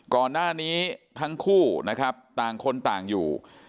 ก่อนหน้านี้ทั้งคู่นะครับต่างคนต่างอยู่